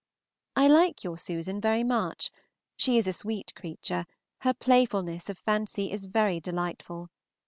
I like your Susan very much; she is a sweet creature, her playfulness of fancy is very delightful.